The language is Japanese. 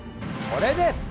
これです！